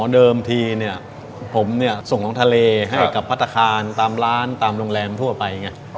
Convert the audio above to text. อ๋อเดิมทีผมส่งของทะเลให้กับพัฒนาคารตามร้านตามโรงแรมทั่วไป